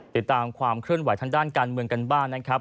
ติดตามความเคลื่อนไหวทางด้านการเมืองกันบ้างนะครับ